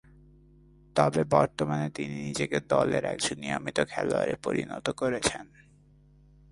তবে বর্তমানে তিনি নিজেকে দলের একজন নিয়মিত খেলোয়াড়ে পরিণত করেছেন।